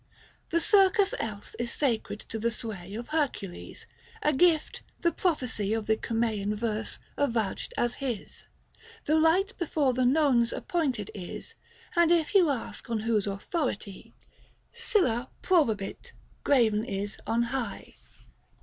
The circus else is sacred to the sway Of Hercules — a gift, the prophecy Of the Cumsean verse avouched as his. The light before the nones appointed is ; And if you ask on whose authority, Sylla pkobavit graven is on high.